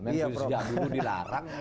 menurut saya dulu dilarang